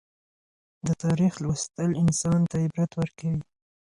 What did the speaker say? د تاریخ لوستل انسان ته عبرت ورکوي.